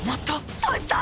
そいつだ！